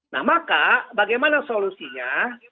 nah maka bagaimana solusinya